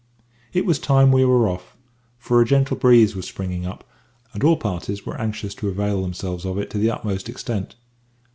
It was time we were off, for a gentle breeze was springing up, and all parties were anxious to avail themselves of it to the utmost extent.